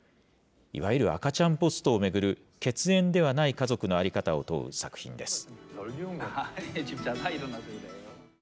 いわゆる赤ちゃんポストを巡る、血縁ではない家族の在り方を問う作品です。